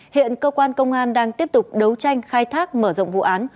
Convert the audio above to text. hiện cơ quan công an đang tiếp tục đấu tranh khai thác mở rộng vụ án